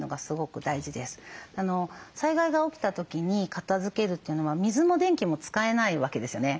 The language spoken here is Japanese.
災害が起きた時に片づけるというのは水も電気も使えないわけですよね。